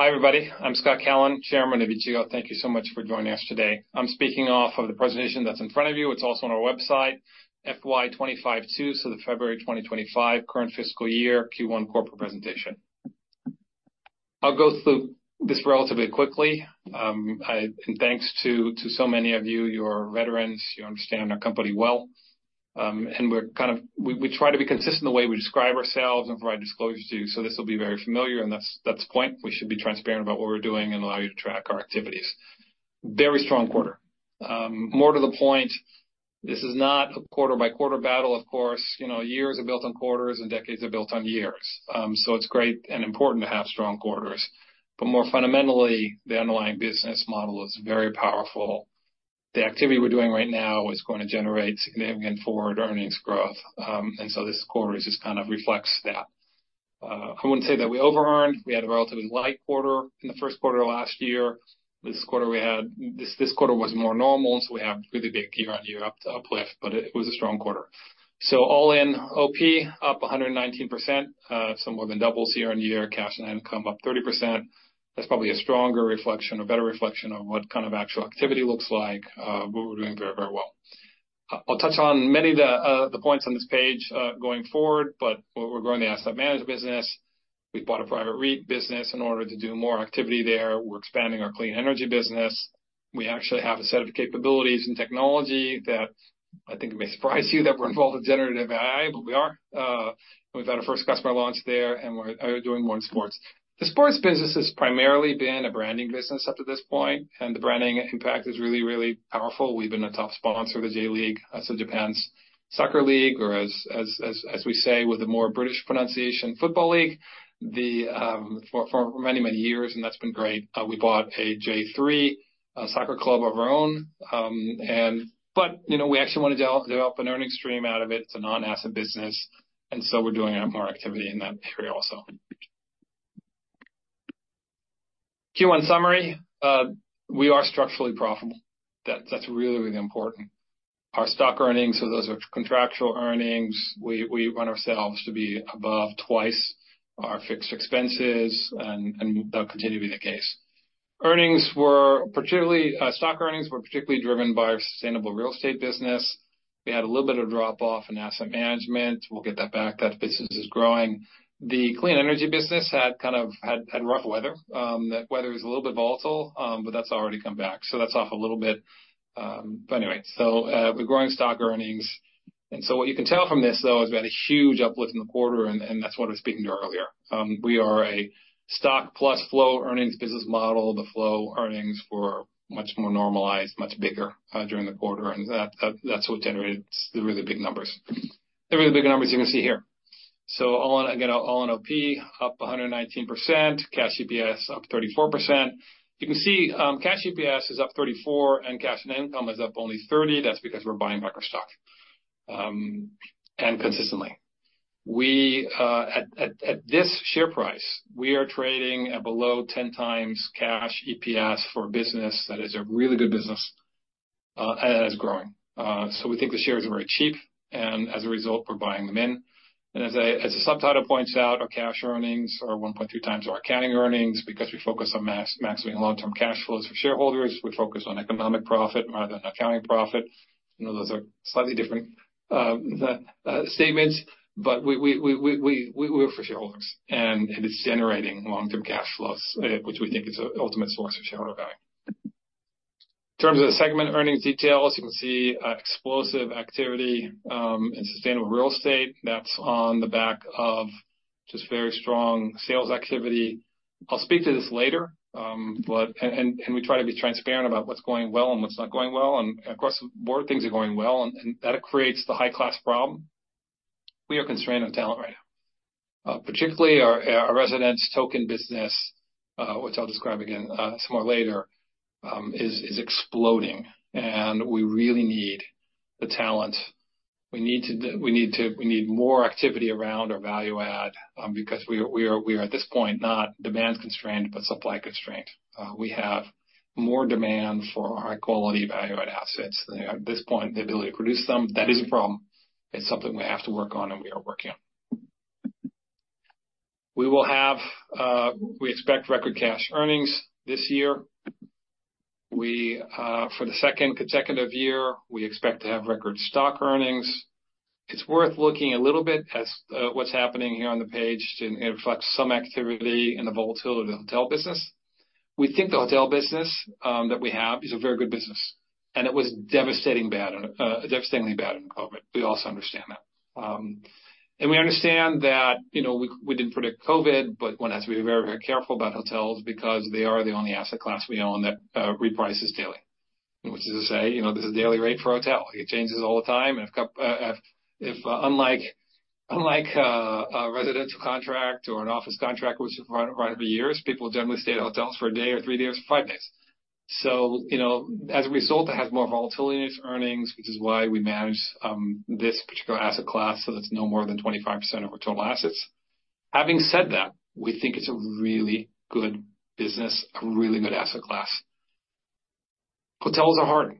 Hi, everybody. I'm Scott Callon, Chairman of Ichigo. Thank you so much for joining us today. I'm speaking off of the presentation that's in front of you. It's also on our website, FY25/2, so the February 2025 current fiscal year Q1 corporate presentation. I'll go through this relatively quickly. Thanks to so many of you, you're veterans. You understand our company well. We're kind of—we try to be consistent in the way we describe ourselves and provide disclosures to you. This will be very familiar. That's the point. We should be transparent about what we're doing and allow you to track our activities. Very strong quarter. More to the point, this is not a quarter-by-quarter battle. Of course, you know, years are built on quarters and decades are built on years. It's great and important to have strong quarters. But more fundamentally, the underlying business model is very powerful. The activity we're doing right now is going to generate significant forward earnings growth. And so this quarter just kind of reflects that. I wouldn't say that we over-earned. We had a relatively light quarter in the first quarter of last year. This quarter was more normal. And so we have really big year-on-year uplift, but it was a strong quarter. So all in, OP up 119%, somewhere in the doubles year-on-year, Cash Net Income up 30%. That's probably a stronger reflection or better reflection of what kind of actual activity looks like, what we're doing very, very well. I'll touch on many of the points on this page going forward, but we're growing the Asset Management business. We bought a private REIT business in order to do more activity there. We're expanding our Clean Energy business. We actually have a set of capabilities and technology that I think may surprise you that we're involved in generative AI, but we are. We've had our first customer launch there, and we're doing more in sports. The sports business has primarily been a branding business up to this point, and the branding impact is really, really powerful. We've been a top sponsor of the J.League, so Japan's soccer league, or as we say with a more British pronunciation, football league, for many, many years. That's been great. We bought a J3 soccer club of our own. But, you know, we actually want to develop an earnings stream out of it. It's a non-asset business. So we're doing more activity in that area also. Q1 summary, we are structurally profitable. That's really, really important. Our stock earnings, so those are contractual earnings. We run ourselves to be above twice our fixed expenses, and that'll continue to be the case. Earnings were particularly, stock earnings were particularly driven by our sustainable real estate business. We had a little bit of drop-off in Asset Management. We'll get that back. That business is growing. The Clean Energy business had kind of had rough weather. That weather is a little bit volatile, but that's already come back. So that's off a little bit. But anyway, so we're growing stock earnings. And so what you can tell from this, though, is we had a huge uplift in the quarter, and that's what I was speaking to earlier. We are a stock plus flow earnings business model. The flow earnings were much more normalized, much bigger during the quarter. And that's what generated the really big numbers. The really big numbers you can see here. So all in, again, all in OP up 119%, Cash EPS up 34%. You can see Cash EPS is up 34%, and Cash Net Income is up only 30%. That's because we're buying back our stock. And consistently. At this share price, we are trading at below 10x Cash EPS for a business that is a really good business and is growing. So we think the shares are very cheap. And as the subtitle points out, our cash earnings are 1.3x our accounting earnings because we focus on maximizing long-term cash flows for shareholders. We focus on economic profit rather than accounting profit. You know, those are slightly different statements, but we work for shareholders. And it's generating long-term cash flows, which we think is an ultimate source of shareholder value. In terms of the segment earnings details, you can see explosive activity in sustainable real estate. That's on the back of just very strong sales activity. I'll speak to this later, but we try to be transparent about what's going well and what's not going well. Across the board, things are going well, and that creates the high-class problem. We are constrained on talent right now, particularly our residence token business, which I'll describe again some more later, is exploding. We really need the talent. We need more activity around our value add because we are at this point not demand constrained, but supply constrained. We have more demand for high-quality value add assets. At this point, the ability to produce them, that is a problem. It's something we have to work on, and we are working on. We will have—we expect record cash earnings this year. For the second consecutive year, we expect to have record stock earnings. It's worth looking a little bit at what's happening here on the page to reflect some activity in the volatility of the hotel business. We think the hotel business that we have is a very good business. And it was devastatingly bad in COVID. We also understand that. And we understand that, you know, we didn't predict COVID, but one has to be very, very careful about hotels because they are the only asset class we own that reprices daily. Which is to say, you know, this is a daily rate for a hotel. It changes all the time. And unlike a residential contract or an office contract, which is run over years, people generally stay at hotels for a day or three days or five days. So, you know, as a result, it has more volatility in its earnings, which is why we manage this particular asset class so that's no more than 25% of our total assets. Having said that, we think it's a really good business, a really good asset class. Hotels are hard,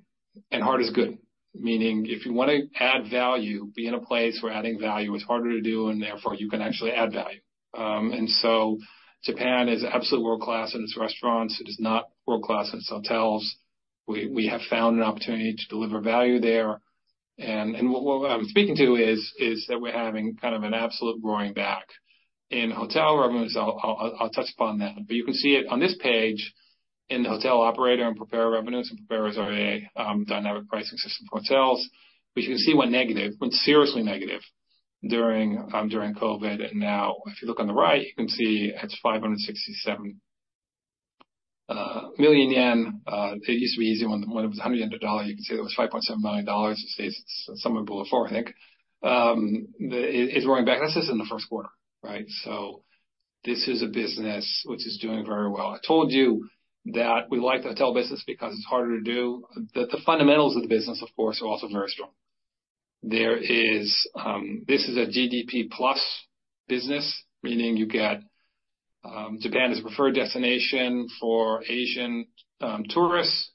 and hard is good. Meaning, if you want to add value, be in a place where adding value is harder to do, and therefore you can actually add value. And so Japan is absolutely world-class in its restaurants. It is not world-class in its hotels. We have found an opportunity to deliver value there. And what I'm speaking to is that we're having kind of an absolute growing back in hotel revenues. I'll touch upon that. But you can see it on this page in the hotel operator and PROPERA revenues. And PROPERA is our dynamic pricing system for hotels. But you can see one negative, one seriously negative during COVID. And now, if you look on the right, you can see it's 567 million yen. It used to be easy when it was 100 yen to a dollar. You can see that was $5.7 million. It stays somewhere below four, I think. It's growing back. This is in the first quarter, right? So this is a business which is doing very well. I told you that we like the hotel business because it's harder to do. The fundamentals of the business, of course, are also very strong. This is a GDP plus business, meaning you get Japan as a preferred destination for Asian tourists.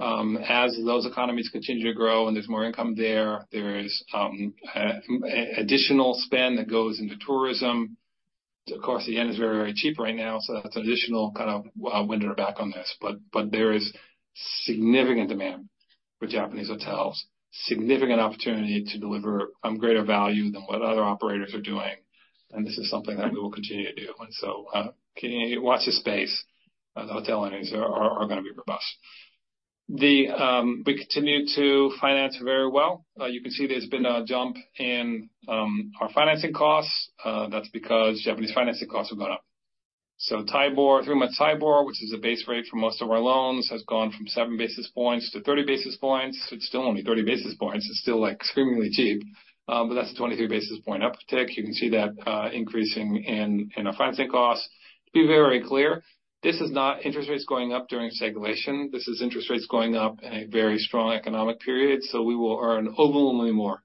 As those economies continue to grow and there's more income there, there is additional spend that goes into tourism. Of course, the yen is very, very cheap right now. So that's an additional kind of window to back on this. But there is significant demand for Japanese hotels, significant opportunity to deliver greater value than what other operators are doing. And this is something that we will continue to do. And so watch the space. The hotel earnings are going to be robust. We continue to finance very well. You can see there's been a jump in our financing costs. That's because Japanese financing costs have gone up. So three-month TIBOR, which is the base rate for most of our loans, has gone from 7 basis points to 30 basis points. It's still only 30 basis points. It's still like extremely cheap. But that's a 23 basis point uptick. You can see that increasing in our financing costs. To be very clear, this is not interest rates going up during stagflation. This is interest rates going up in a very strong economic period. So we will earn overwhelmingly more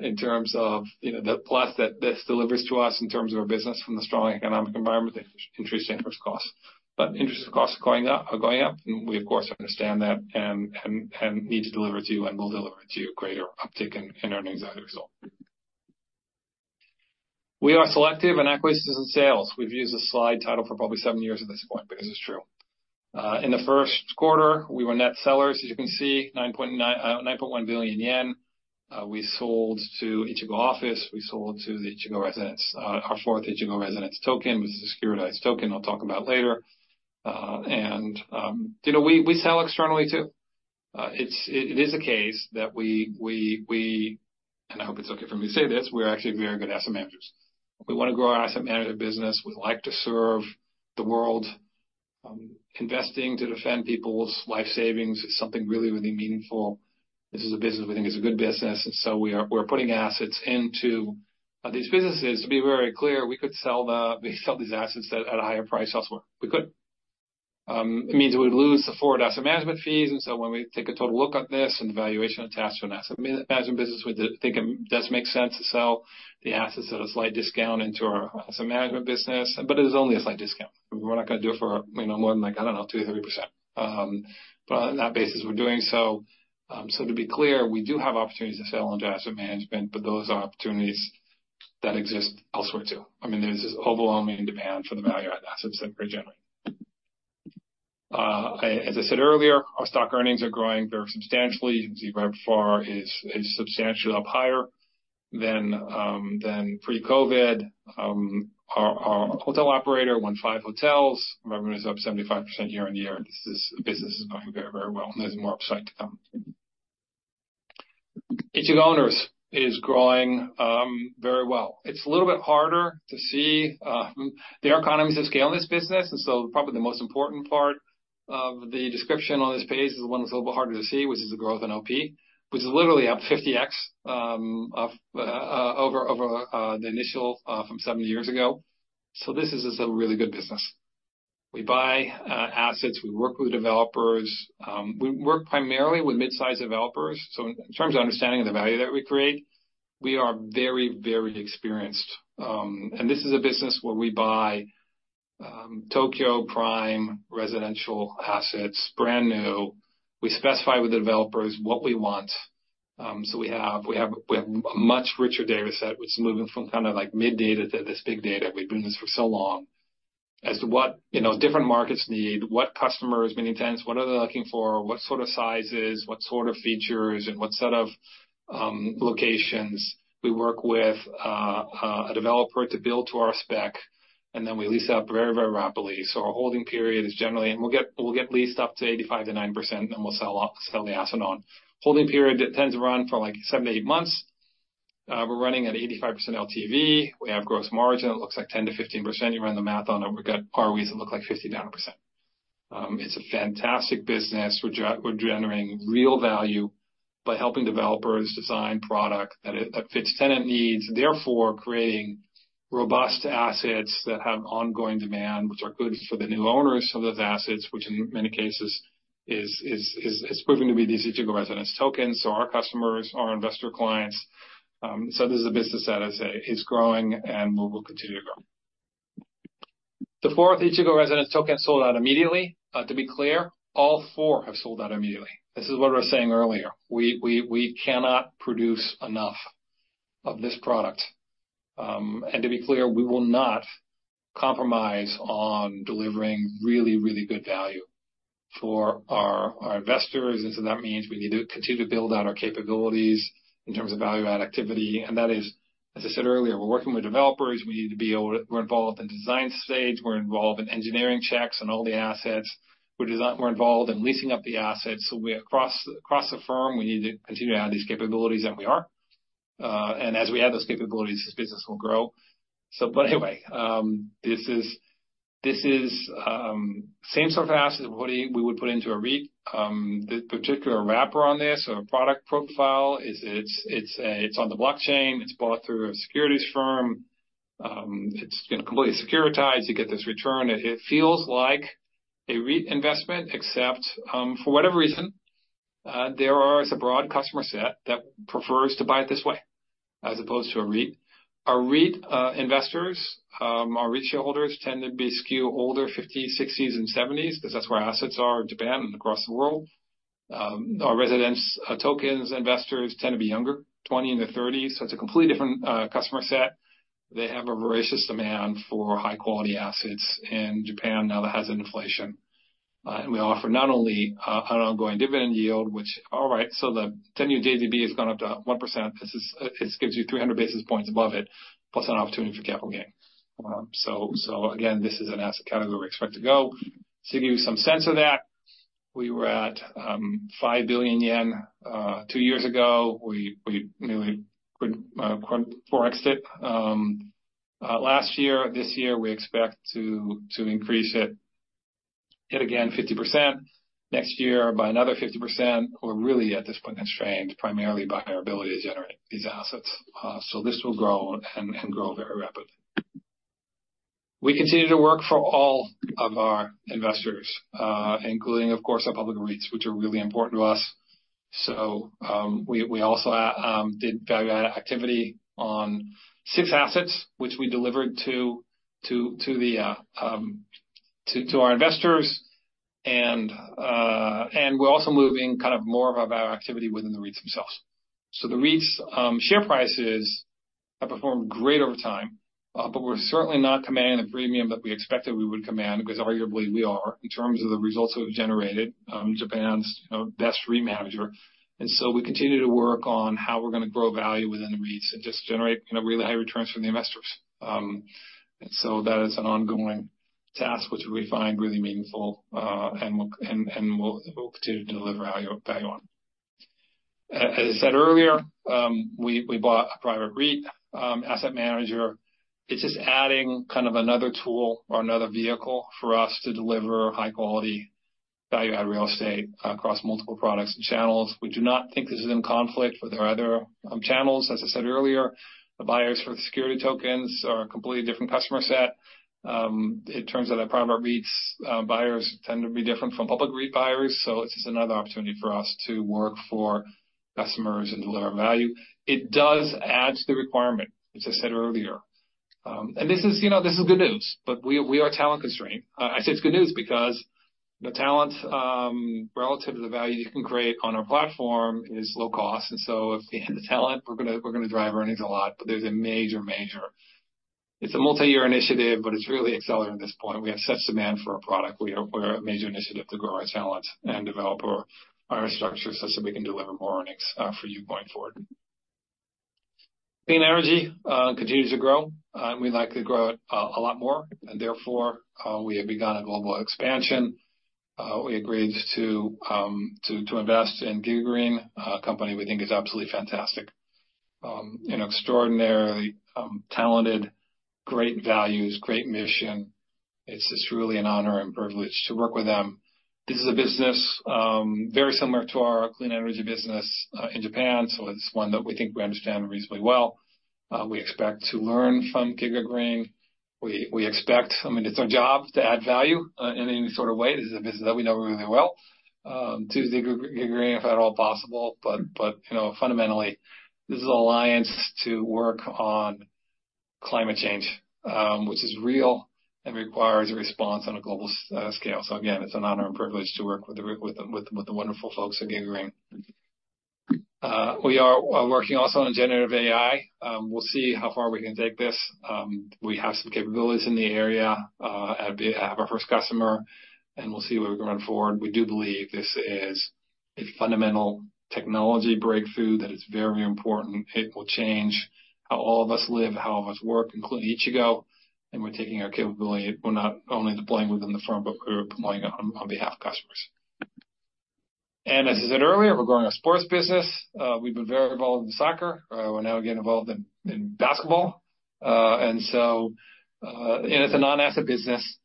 in terms of, you know, the plus that this delivers to us in terms of our business from the strong economic environment, interest and interest costs. But interest and costs are going up. And we, of course, understand that and need to deliver to you and will deliver to you greater uptick in earnings as a result. We are selective and acquisition sales. We've used a slide title for probably seven years at this point because it's true. In the first quarter, we were net sellers, as you can see, 9.1 billion yen. We sold to Ichigo Office. We sold to the Ichigo Residence. Our fourth Ichigo Residence Token was a securitized token. I'll talk about later. And, you know, we sell externally too. It is a case that we, and I hope it's okay for me to say this, we're actually very good asset managers. We want to grow our Asset Management business. We like to serve the world. Investing to defend people's life savings is something really, really meaningful. This is a business we think is a good business. And so we are putting assets into these businesses. To be very clear, we could sell these assets at a higher price elsewhere. We could. It means we would lose the forward asset management fees. And so when we take a total look at this and the valuation attached to an Asset Management business, we think it does make sense to sell the assets at a slight discount into our Asset Management business. But it is only a slight discount. We're not going to do it for, you know, more than like, I don't know, 2%, 3%. But on that basis, we're doing so. So to be clear, we do have opportunities to sell under asset management, but those are opportunities that exist elsewhere too. I mean, there's this overwhelming demand for the value-add assets that we're generating. As I said earlier, our stock earnings are growing very substantially. You can see RevPAR is substantially up higher than pre-COVID. Our hotel operator, OneFive Hotels, revenue is up 75% year-on-year. This business is going very, very well. There's more upside to come. Ichigo Owners is growing very well. It's a little bit harder to see. Their economies of scale in this business. And so probably the most important part of the description on this page is the one that's a little bit harder to see, which is the growth in OP, which is literally up 50x over the initial from 70 years ago. So this is a really good business. We buy assets. We work with developers. We work primarily with mid-sized developers. So in terms of understanding the value that we create, we are very, very experienced. And this is a business where we buy Tokyo Prime residential assets, brand new. We specify with the developers what we want. So we have a much richer data set, which is moving from kind of like mid-data to this big data. We've been doing this for so long as to what different markets need, what customers may need tenants, what are they looking for, what sort of sizes, what sort of features, and what set of locations. We work with a developer to build to our spec, and then we lease out very, very rapidly. So our holding period is generally, and we'll get leased up to 85%-90%, and then we'll sell the asset on. Holding period tends to run for like seven to eight months. We're running at 85% LTV. We have gross margin. It looks like 10%-15%. You run the math on it. We've got ROEs that look like 59%. It's a fantastic business. We're generating real value by helping developers design product that fits tenant needs, therefore creating robust assets that have ongoing demand, which are good for the new owners of those assets, which in many cases is proving to be these Ichigo Residence Tokens. So our customers, our investor clients. So this is a business that is growing and will continue to grow. The fourth Ichigo Residence Token sold out immediately. To be clear, all four have sold out immediately. This is what we were saying earlier. We cannot produce enough of this product. And to be clear, we will not compromise on delivering really, really good value for our investors. And so that means we need to continue to build out our capabilities in terms of value add activity. And that is, as I said earlier, we're working with developers. We need to be able to. We're involved in design stage. We're involved in engineering checks on all the assets. We're involved in leasing up the assets. So across the firm, we need to continue to add these capabilities that we are. And as we add those capabilities, this business will grow. So but anyway, this is the same sort of asset we would put into a REIT. The particular wrapper on this or product profile is it's on the blockchain. It's bought through a securities firm. It's completely securitized. You get this return. It feels like a REIT investment, except for whatever reason, there is a broad customer set that prefers to buy it this way as opposed to a REIT. Our REIT investors, our REIT shareholders tend to be skew older, 50s, 60s, and 70s because that's where assets are in Japan and across the world. Our residence tokens investors tend to be younger, in their 20s and 30s. So it's a completely different customer set. They have a voracious demand for high-quality assets in Japan now that has inflation. And we offer not only an ongoing dividend yield, which, all right, so the 10-year JGB has gone up to 1%. This gives you 300 basis points above it, plus an opportunity for capital gain. So again, this is an asset category we expect to grow. To give you some sense of that, we were at 5 billion yen two years ago. We nearly 4x it last year. This year, we expect to increase it again, 50% next year by another 50%. We're really at this point constrained primarily by our ability to generate these assets. So this will grow and grow very rapidly. We continue to work for all of our investors, including, of course, our public REITs, which are really important to us. We also did value add activity on six assets, which we delivered to our investors. We're also moving kind of more of our activity within the REITs themselves. The REITs share prices have performed great over time, but we're certainly not commanding the premium that we expected we would command because arguably we are in terms of the results we've generated, Japan's best REIT manager. We continue to work on how we're going to grow value within the REITs and just generate really high returns for the investors. That is an ongoing task, which we find really meaningful and we'll continue to deliver value on. As I said earlier, we bought a private REIT asset manager. It's just adding kind of another tool or another vehicle for us to deliver high-quality value-added real estate across multiple products and channels. We do not think this is in conflict with our other channels. As I said earlier, the buyers for the security tokens are a completely different customer set. It turns out that private REITs buyers tend to be different from public REIT buyers. So it's just another opportunity for us to work for customers and deliver value. It does add to the requirement, as I said earlier. This is, you know, this is good news, but we are talent constrained. I say it's good news because the talent relative to the value you can create on our platform is low cost. And so if we have the talent, we're going to drive earnings a lot. But there's a major, major, it's a multi-year initiative, but it's really accelerating at this point. We have such demand for our product. We are a major initiative to grow our talent and develop our infrastructure so that we can deliver more earnings for you going forward. Clean Energy continues to grow. We'd like to grow it a lot more. And therefore, we have begun a global expansion. We agreed to invest in GIGA.GREEN, a company we think is absolutely fantastic, an extraordinarily talented, great values, great mission. It's just really an honor and privilege to work with them. This is a business very similar to our Clean Energy business in Japan. So it's one that we think we understand reasonably well. We expect to learn from GIGA.GREEN. We expect, I mean, it's our job to add value in any sort of way. This is a business that we know really well to do GIGA.GREEN, if at all possible. But fundamentally, this is an alliance to work on climate change, which is real and requires a response on a global scale. So again, it's an honor and privilege to work with the wonderful folks at GIGA.GREEN. We are working also on Generative AI. We'll see how far we can take this. We have some capabilities in the area, have our first customer, and we'll see where we can run forward. We do believe this is a fundamental technology breakthrough that is very important. It will change how all of us live, how all of us work, including Ichigo. And we're taking our capability. We're not only deploying within the firm, but we're deploying on behalf of customers. And as I said earlier, we're growing a sports business. We've been very involved in soccer. We're now getting involved in basketball. And so it's a non-asset business.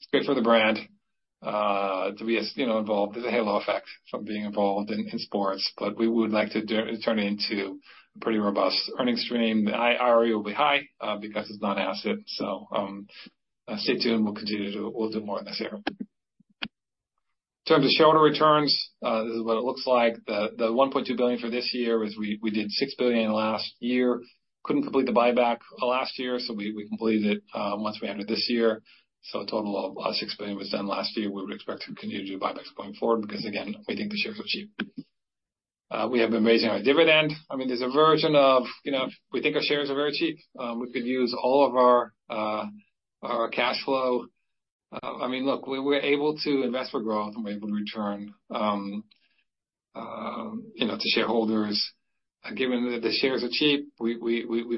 It's good for the brand to be involved. There's a halo effect from being involved in sports. But we would like to turn it into a pretty robust earnings stream. The IRR will be high because it's non-asset. So stay tuned. We'll continue to do more in this area. In terms of shareholder returns, this is what it looks like. The 1.2 billion for this year was we did 6 billion last year. Couldn't complete the buyback last year. So we completed it once we entered this year. So a total of 6 billion was done last year. We would expect to continue to do buybacks going forward because, again, we think the shares are cheap. We have been raising our dividend. I mean, there's a version of, you know, we think our shares are very cheap. We could use all of our cash flow. I mean, look, we're able to invest for growth and we're able to return, you know, to shareholders. Given that the shares are cheap, we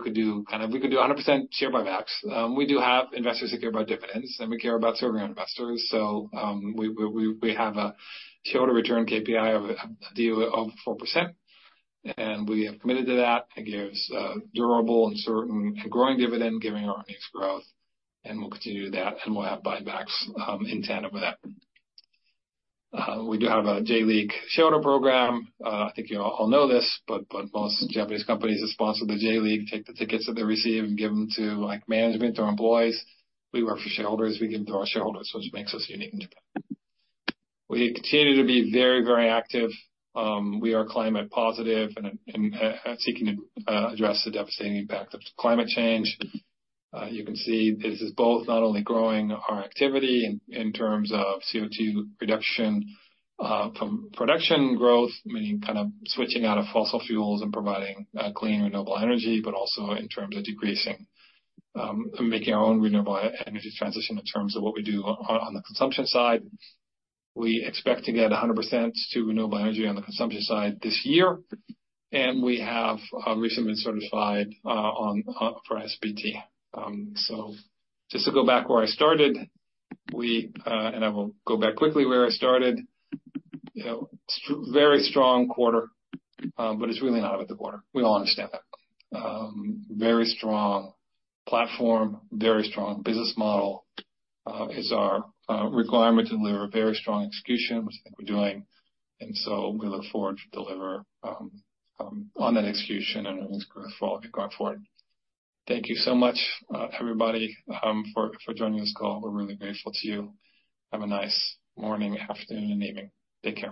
could do kind of, we could do 100% share buybacks. We do have investors who care about dividends and we care about serving our investors. So we have a shareholder return KPI of at least 4%. And we have committed to that. It gives a durable and certain and growing dividend, giving our earnings growth. And we'll continue to do that. And we'll have buybacks in tandem with that. We do have a J.League shareholder program. I think you all know this, but most Japanese companies that sponsor the J.League take the tickets that they receive and give them to management or employees. We work for shareholders. We give them to our shareholders, which makes us unique in Japan. We continue to be very, very active. We are climate positive and seeking to address the devastating impact of climate change. You can see this is both not only growing our activity in terms of CO2 reduction from production growth, meaning kind of switching out of fossil fuels and providing clean renewable energy, but also in terms of decreasing and making our own renewable energy transition in terms of what we do on the consumption side. We expect to get 100% to renewable energy on the consumption side this year. We have recently been certified for SBT. So just to go back where I started, and I will go back quickly where I started, very strong quarter, but it's really not about the quarter. We all understand that. Very strong platform, very strong business model is our requirement to deliver very strong execution, which I think we're doing. And so we look forward to deliver on that execution and earnings growth for all going forward. Thank you so much, everybody, for joining this call. We're really grateful to you. Have a nice morning, afternoon, and evening. Take care.